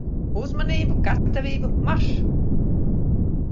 Uzmanību, gatavību, marš!